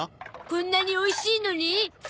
こんなにおいしいのに。